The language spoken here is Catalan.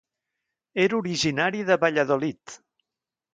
Era originari de Valladolid.